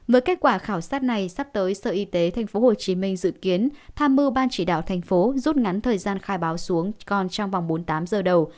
với kết quả khảo sát này sắp tới sở y tế tp hcm dự kiến tham mưu ban chỉ đạo thành phố rút ngắn thời gian khai báo xuống còn trong vòng bốn mươi tám giờ đầu